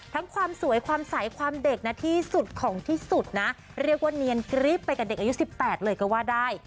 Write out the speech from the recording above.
ความสวยความใสความเด็กนะที่สุดของที่สุดนะเรียกว่าเนียนกรี๊บไปกับเด็กอายุ๑๘เลยก็ว่าได้